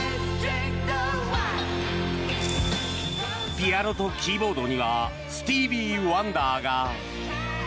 ピアノとキーボードにはスティービー・ワンダーが。